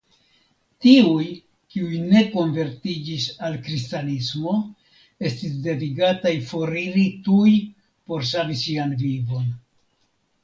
Tiuj kiuj ne konvertiĝis al kristanismo estis devigataj foriri tuj por savi sian vivon.